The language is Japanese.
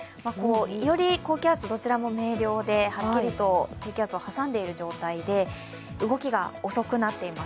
より高気圧、どちらも明瞭ではっきりと低気圧を挟んでいる状態で動きが遅くなっています。